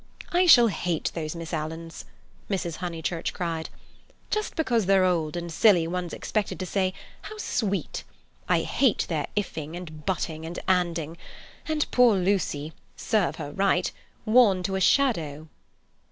"I shall hate those Miss Alans!" Mrs. Honeychurch cried. "Just because they're old and silly one's expected to say 'How sweet!' I hate their 'if' ing and 'but' ing and 'and' ing. And poor Lucy—serve her right—worn to a shadow."